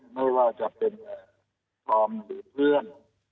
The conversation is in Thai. ไม่ว่าจะเป็นธอมหรือเพื่อน